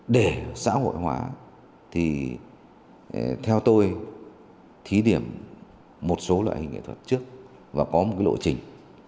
để xã hội hóa thì theo tôi thí điểm một số loại hình nghệ thuật trước và có một cái lộ trình